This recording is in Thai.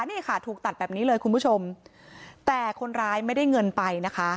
นี่ค่ะถูกตัดแบบนี้เลยคุณผู้ชมแต่คนร้ายไม่ได้เงินไปนะคะ